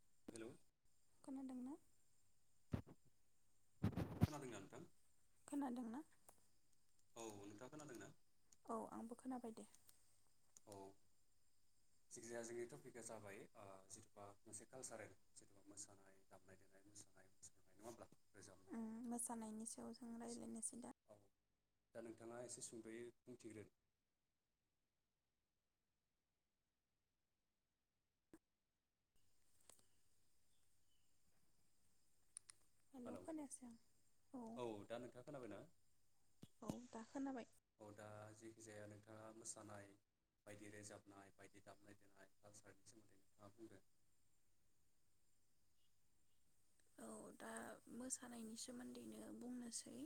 [inaudible] खोनादोंना [unintelligible] खोनादोंना? औ नोंथाङा खोनादों ना? औ आंबो खोनाबाय दे जेखिजाया जोंनि टपिकआ जाबाय ओ जिथुबा मोनसे कालसारेल जिथु मोसानाय दामनाय देनाम मुसुरनाय नङा होमब्ला? रोजाबनाय उ मोसानायनि सायाव जों बायदिसिना रायलायनोसै दा औ दा नोंथाङा एसे सुंदयै बुंथिग्रो हेलौ खोनायासै आं औ दा नोंथाङा खोनाबायना औ दा खोनाबाय। जाया नोंथाङा मोसानाय बायदि रोजाबनाय बायदि दामनाय देनाय खालसारनि सोमोन्दै नोंथाङा बुंदों औ दा मोसानायनि सोमोन्दैनो बुंनोसै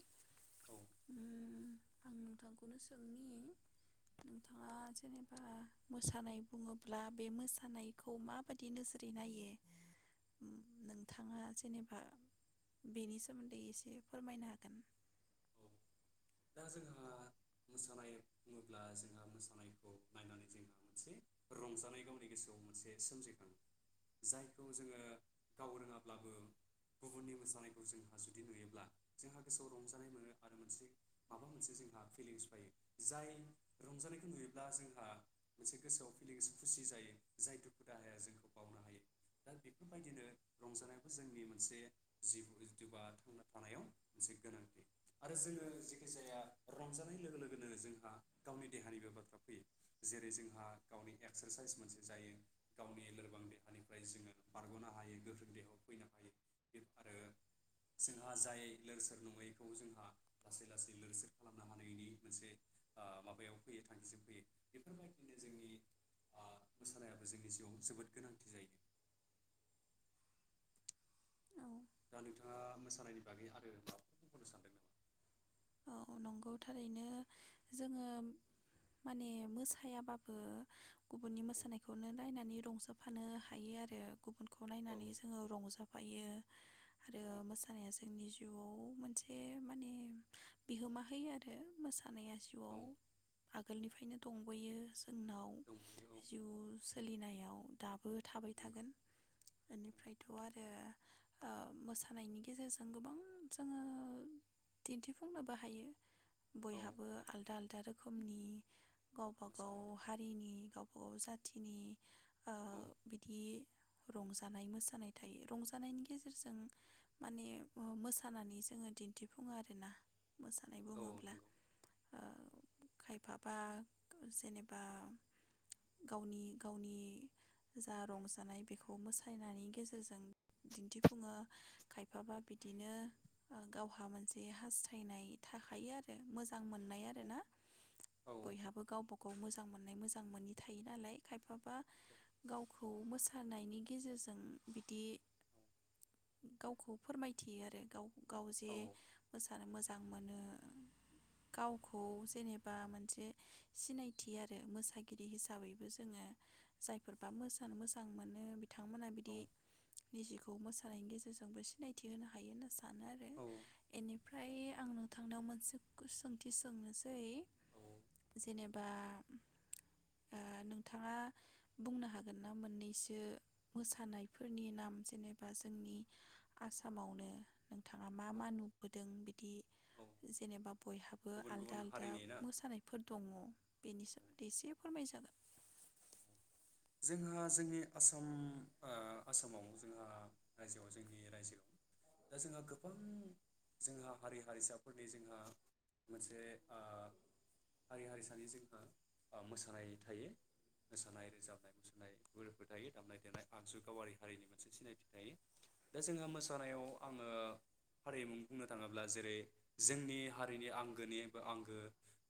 औ उम आं नोंथांखौनो सोंनि नोंथाङा जेनेबा मोसानाय बुङोब्ला बे मोसानायखौ माबादि नोजोरै नायो? नोंथाङा जेनेबा हा बेनि सोमोन्दै एसे फोरमायनो हागोन औ दा जोंहा मोसानाय बुङोब्ला जोंहा मोसानायखौ नायनानै जोंहा मोनसे रंजानाय गावनि गोसोआव मोनसे सोमजिखाङो जायखौ जोङो गाव रोङाब्लाबो गुबुननि मोसानायखौ जोंहा जुदि नुयोब्ला जोंहा गोसोआव रंजानाय मोनो आरो मोनसे माबा मोनसे जोंहा फिलिंस फायो जाय रंजानायखौ नुयोब्ला जोंहा मोनसे गोसोआव फिलिंस खुसि जायो जाय दुखु दाहाया जोंखौ बावनो हायो दा बेफोरबायदिनो रंजानायाबो जोंनि मोनसे जिव जिवा थांना थानायाव मोनसे गोनांथि आरो जोङो जि जायखिजाया रंजानाय लोगो लोगोनो जोंहा गावनि देहानिबो बाथ्रा फैयो जेरै जोंहा गावनि एक्सारसाइस मोनसे जायो गावनि लोरबां देहानिफ्राय जोङो बारगनो हायो गोख्रों देहायाव फैनो हायो आरो जोंहा जाय लोर सोरोर नङैखौ जोंहा गासैलोरसोर खालामनो हानायनि मोनसे माबायाव फैयो थांखिजों फैयो बेफोरबायदिनो जोंनि मोसानायाबो जोंनि जिउआव जोबोद गोनांथि जायो औ दा नोंथाङा मोसानायनि बागै आरो मां बुंबावनो सानदों नामा? अ नंगौ थारैनो जोङो माने मोसायाबाबो गुबुननि मोसानायखौनो नायनानै रंजफानो हायो आरो गुबुन खौ नायनानै औ जोङो रंजा फायो आरो औ मोसानाया जोंनि जिउआव मोनसे माने बिहोमा होयो आरो मोसा सानाया औ जिवआव आगोलनिफ्रायनो दंबोयो जोंनाव दंफायो जिउ जो सोलिनायाव दाबो थाबाय औ नंगौ नंगौ थागोन बेनिफ्रायथ आरो ओ मोसानायनि गेजेरजों गोबां जोङो दिन्थिफ सफुंनोबो हायो औ बयहाबो आलदा आलदा रोखोमनि गावबा गाव मोसानाय थायो हारिनि गाव अ जाथिनि ओ औ बिदि रंजानाय मोसानाय थायो रंजानायनि गेजेरजों माने ओ मोसानानै जोङो दिन्थिफुङो आरोना मोसानाय औ बुङोब्ला नंगौ ओ खायफाबा जेनेबा गावनि गावनि जा रंजानाय बेखौ मोसानायनि गेजेरजों दिन्थिफुङो खायफाबा बिदिनो गावहा मोनसे हास फोथायनाय थाखायो आरो मोजा मोजां मोननाय औ आरो ना औ बयहाबो गावबागाव मोजां मोन नाय मोजां मोनि थायो नालाय खायफाबा गावखौ मोसानायनि गेजेरजों बिदि गावखौ फोरमायथियो आरो गाव गाव जे औ मोस मोसानो मोजां मोनो गावखौ जेनेबा मोनसे सिनायथि आरो मोसागिरि हिसाबैबो जोङो जायफोरबा मोसानो मोजां मोनो बे बिथांमोना औ बिदि निजिखौ खौ मोसानायनि गेजेरजोंबो सिनायथि होनो हायो ना सार? सानो आरो औ औ एनिफ ओइ आं नोंथांनाव मोनसे खुस सोंथि सोंनोसै औ जेनेबा ओ नोंथाङा बुंनो हागोन ना मोननैसो मोसानायफोरनि नाम जेनेबा जोंनि आसामावनो नोंथाङा मा औ मा नु दों बिदि औ जेनेबा बयहाबो गुबुन आलदा गुबुन आलदा हारिनि ना मोसानायफोर दङ। बेनि सोमोन्दै एसे फोरमायजागोन। जोंहा जोंनि आसाम ओ आसामाव जोंहा रायजोआव जोंनि रायजोआव दा जोंहा गोबां जोंहा हारि हारिसाफोरनि जोंहा मोनसे ओ हारि हारिसानि जोंहा मोसानाय थायो मोसानाय रोजाबनाय मोसानायफोर थायो दामनाय देनाय आगजु गावारि हारिनि मोनसे सिनायथि थायो दा जोंहा मोसानायाव आङो हारिम बुंनो थाङोब्ला जेरै जोंनि हारिनि आंगोनिबो आंगो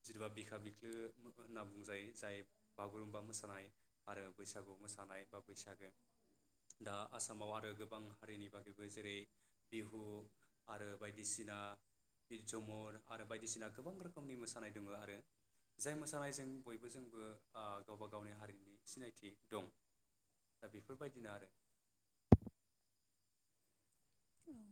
जेनबा बिखा बिखो होनना बुंजायो जाय बागुरुमबा मोसानाय। आरो बैसागु मोसानाय बा बैसागो दा आसामाव आरो गोबां हारिनि बागैबो जेरै बिहु आरो बायदिसिना बिर जोमुर आरो बायदिसिना गोबां रोखोमनि मोसानाय दङ आरो जाय मोसानायजों बयबो जोंबो ओ गावबा गावनि हारिनि सिनायथि दं दा बेफोरबायदिनो आरो। उम।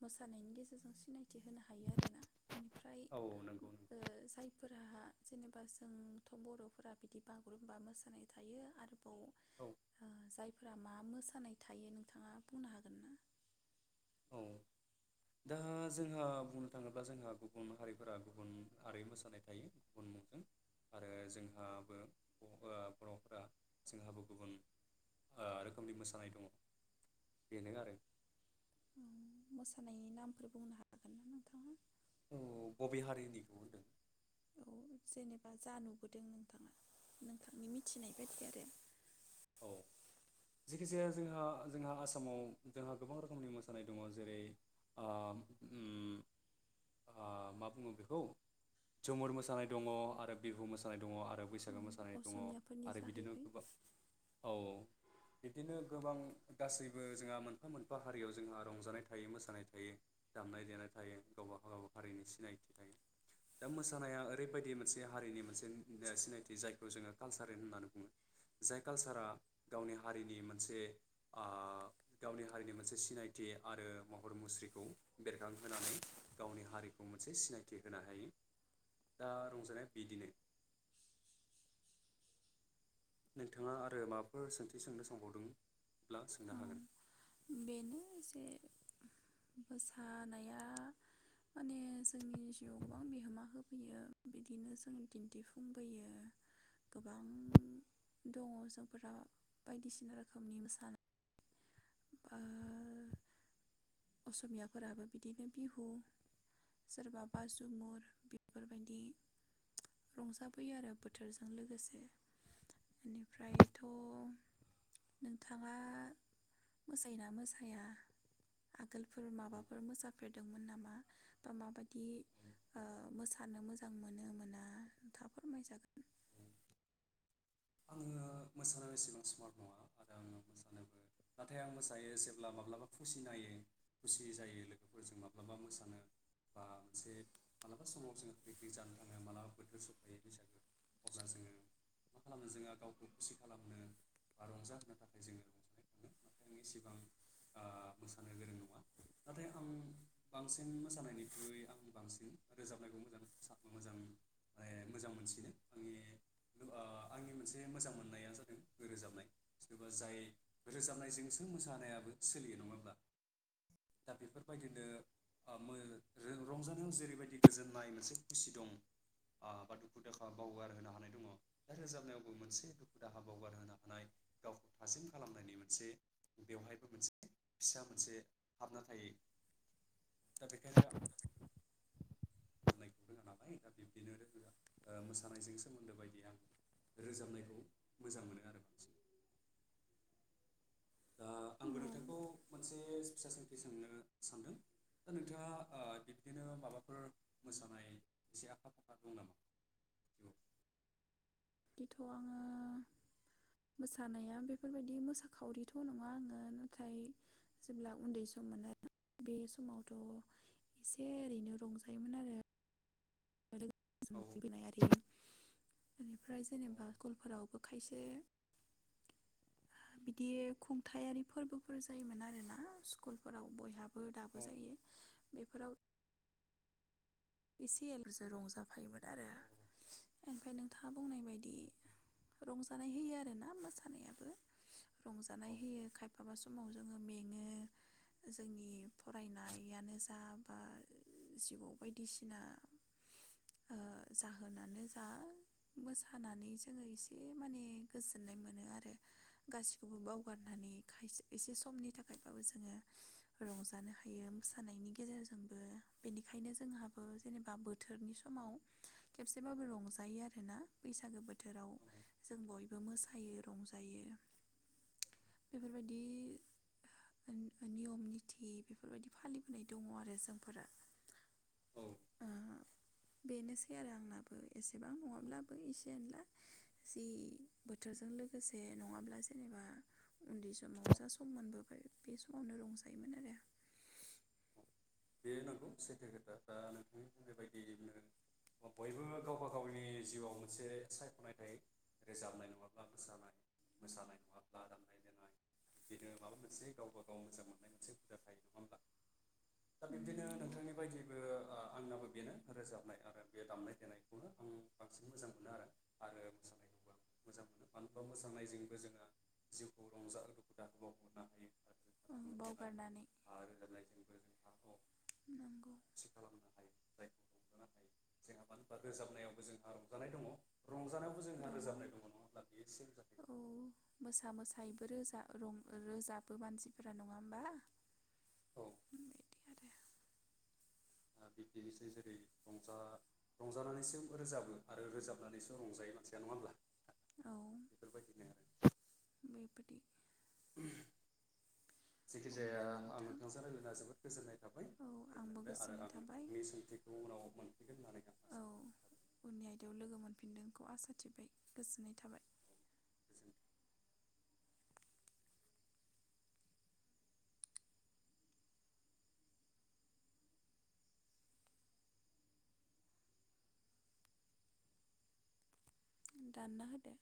मोसानायनि गेजेरजों सिनायथि थि होनो हायो आरोना बेनिफ्राय औ नंगौ ओ नंगौ जाय फोरहा जेनेबा जोंथ बरफोरा बिदि बागुरुम्बा मोसानाय थायो आरो औ ओ जाय फोरा मा मोसानाय थायो नोंथाङा बुंनो हागोन ना? औ दा जोंहा बुंनो थाङोब्ला जोंहा गुबुन हारिफोरा गुबुन आरो मोसानाय थायो गुबुन मुंजों आरो जोंहाबो ओ बरफोरा जोंहाबो गुबुन ओ रोखोमनि मोसानाय दङ बेनो आरो। मोसानायनि नामफोर बुंनो हागोन ना नोंथाङा? औ बबे हारिनिखौ होनदों? औ जेनेबा जा नुबोदों नोंथाङा नोंथांनि मिथिनाय बायदि आरो। औ जेखि जाया जोंहा जोंहा आसामाव जोंहा गोबां रोखोमनि मोसानाय दङ जेरै ओ उम आह मा बुङो बेखौ जुमुर मोसानाय दङ आरो बिहु मोसानाय दङ आ आरो बैसागो मोसानाय औ दङ असमियाफोरनि आरो बिदिनो जाहैबाय गोबां औ औ बिब्दिनो गोबां गासैबो जोंहा मोनफा मोनफा हारियाव जोंहा रंजानाय थायो मोसानाय थायो दामनाय देनाय थायो गावबागाव गावबागाव हारिनि सिनायथि थायो दा मोसानाया ओरैबायदि मोनसे हारिनि मोनसे सिनायथि जायखौ जोङो कालसारेल होननानै बुङो। जाय कालसारा गावनि हारिनि मोनसे ओ गावनि हारिनि मोनसे सिनायथि आरो महर मुस्रिखौ बेरखांहोनानै गावनि हारिखौ मोनसे सिनायथि होनो हायो दा रंजानाया बिदिनो। नोंथाङा आरो माबाफोर सोंथि सोंनो संबावदों? औ बेनो जे मोसानाया माने जोंनि जिउआव गोबां बिहोमा होफैयो बिदिनो जों दिन्थिफुंबोयो गोबां दङ जोंफोरा बायदिसिना रोखोमनि मोसानाय ओह असमियाफोराबो बिदिनो बिहु सोरबा बाजुमुर बेफोरबायदि रंजाबोयो आरो बोथोरजों लोगोसे बेनिफ्रायथ नोंथाङा मोसायोना मोसाया? आगोलफोर औ माबाफोर मोसाफेरदोंमोन नामा बा माबायदि औ ओ मोसानो मोजां मोनो मोना नोंथाङा फोरमायजागोन। औ आङो मोसानो एसेबां स्मार्ट नङा आरो आङो मोसानोबो नाथाय आं मोसायो जेब्ला माब्लाबा खुसि नायो खुसि जायो लोगोफोरजों माब्लाबा मोसानो बा मोनसे माब्लाबा समाव जोङो पिकनिक जानो थाङ मालाबा बोथोर सफैायो बैसागो अब्ला जोङो खालामनो जोङो गावखौ खुसि खालामनो बा रंजाहोनो थाखाय जोङो रंजानाय मोनो नाथाय आं एसेबां ओ मोसानो गोरों नङा नाथाय आं बांसिन मोसानायनिख्रुइ आं बांसिन रोजाबनायखौ मोजां मोनो मोजां माने मोजां मोनसिनो आंनि ओ आंनि मोनसे मोजां मोननाया जादों रोजाबनाय जेनबा जाय रोजाबनायजोंसो मोसानायाबो सोलियो नङाहोमब्ला दा बेफोरबायदिनो आ मो रो रंजानायाव जेरैबायदि गोजोननाय मोनसे खुसि दं ओ बा दुखु दाखा बावगार होनोनो हानाय दङ दा रोजाबनायावबो मोनसे दुखु दाहा बावगारहोनो हानाय गावखौ थाजिम खालामनायनि मोनसे बेवहायबो मोनसे फिसा मोनसे हाबना थायो दा बेखायनो आं मानायखौ रोङा नालाय दा बिब्दिनो रो ओ मोसानायजों सोमोन्दो बायदि आं रोजाबनायखौ मोजां मोनो आरो बांसिन। दा आंबो औ। नोंथांखौ मोनसे फिसा सोंखि सोंनो सानदों दा नोंथाङा ओ बिब्दिनो माबाफोर मोसानाय एसे आखा फाखा दं नामा? बिदिथ आङो मोसानाया बेफोरबायदि मोसाखावरिथ नङा आङो नाथाय जेब्ला उन्दै सम मोन आरो बे समावथ एसे ओरैनो रंजायोमोन आरो। [unintelligible] जिउआव बेनिफ्राय जेनेबा कलफोरावबो खायसे बिदि खुंथायारि फोरबोफोर जायोमोन आरोना स्कुलफोराव बयहाबो बो दाबो औ जायो। बेफोराव एसे एलुजों रंजाफायोमोन आरो। औ ओमफ्राय नोंथाङा बुंनाय बदि रंजानाय होयो आरोना मोसानायाबो औ रंजानाय होयो खायफाबा समाव जोङो मेङो जोंनि फरायनायानो जा बा जिबौ बायदि। बायदिसिना जाहोनानो जा मोसानानै जोङो एसे माने गोजोननाय मोनो आरो गासिखौबो बावगारनानै खायसे एसे समनि थाखायबाबो जोङो रंजानो हायो मोसानायनि गेजेरजोंबो बेनिखायनो जोंहा। जेनेबा बोथोरनि समाव खेबसेबाबो रंजायो आरोना बैसागो बोथोराव जों बयबो मोसायो रंजायो बेफोरबायदि नियम निथि बेफोरबायदि फालिबोनाय दङ आरो जोंफोरा। औ ओ बेनोसै आरो आंनाबो एसेबां नङाब्लाबो एसे एनला जि बोथोरजों लोगोसे नङाब्ला जेनेबा उन्दै समाव जा सम मोनबोबाय बे समावनो रंजायोमोन आरो। बे नंगौ सैथो खोथा दा ओ नोंथांनि बुंनाय बायदिनो बयबो गावबा गावनि जिउआव मोनसे सायखनाय थायो रोजाबनाय नङाब्ला मोसानाय मोसानाय नङाब्ला दामनाय देनाय बिदिनो माबा मोनसे गावबा गाव मोजां मोननाय मोनसे हुदा थायो नङा होमब्ला दा उम बिब्दिनो नंगौ नोंथांनि बायदि बो ओ आंनाबो बेनो रोजाबनाय आरो बे दामनाय देनायखौनो आं बांसिन मोजां मोनो आरो आरो मोसानायखौबो आं मोजां मोनो मानो होनबा मोसानायजोंबो जोङो जिउखौ रंजा [unintelligible] बावगारनो हायो औ मुजथुनाय बावगारनानै आरो दानाय लुनाय नंगौ खुसि खालामनो हायो जोंहा मानो होनबा रोजाबनायावबो जोंहा रंजानाय दङ रंजानायावबो जोंहा दङ औ रोजाबनाय नङा होमब्ला बेयो सेम जाखायो मोसा मोसायैबो रोजाब रं रोजाबो मानसिफोरा नङा होमबा औ बेबायदि बिब्दिनोसै जेरै रंजा रंजानानैसो रोजाबो आरो रोजाबनानैसो रंजायो मानसिया नङा होमब्ला औ बेफोरबायदिनो बेबायदि उम जिखिजाया अब्ला आं नोंथां नोंथांजों रायज्लायना जोबोद गोजोननाय थाबाय औ आंबो गोजोनबाय आरो गोजोननाय आं थाबाय आंनि सोंथिखौ उनाव मोनफैगोन होननानै आं आसा नोंखौ आसा थिबाय गोजोननाय थाबाय जोर दानना होदो